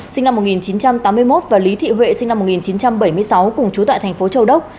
sinh năm một nghìn chín trăm tám mươi một và lý thị huệ sinh năm một nghìn chín trăm bảy mươi sáu cùng trú tại thành phố châu đốc